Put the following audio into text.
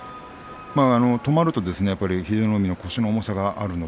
止まると、英乃海の腰の重さがあります。